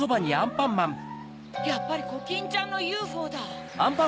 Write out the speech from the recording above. やっぱりコキンちゃんのＵＦＯだ。